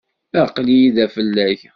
Aql-iyi da fell-ak.